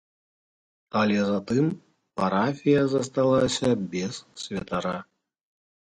Але затым парафія засталася без святара.